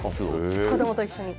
子どもと一緒に。